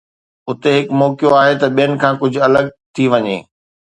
اتي هڪ موقعو آهي ته ٻين کان ڪجهه الڳ ٿي وڃي